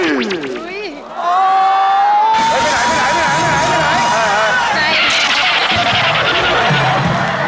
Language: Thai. เฮ้ยไปไหนไปไหนไปไหน